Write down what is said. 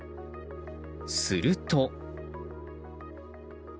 すると。